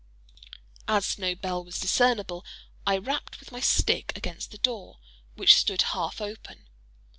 As no bell was discernible, I rapped with my stick against the door, which stood half open.